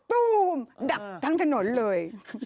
ตู้มดับทั้งถนนเลย